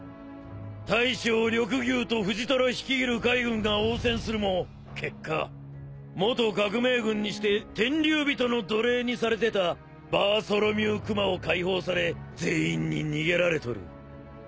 大将緑牛と藤虎率いる海軍が応戦するも結果元革命軍にして天竜人の奴隷にされてたバーソロミュー・くまを解放され全員に逃げられとる。